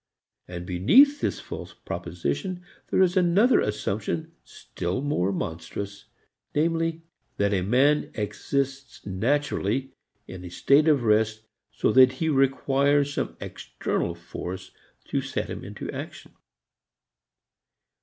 And beneath this false proposition there is another assumption still more monstrous, namely, that man exists naturally in a state of rest so that he requires some external force to set him into action.